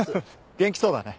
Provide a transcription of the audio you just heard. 元気そうだね。